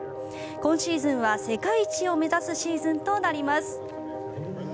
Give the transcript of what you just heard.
今シーズンは世界一を目指すシーズンとなります。